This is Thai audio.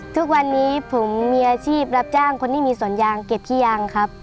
ทุกวันนี้ผมมีอาชีพรับจ้างคนที่มีสวนยางเก็บขี้ยางครับ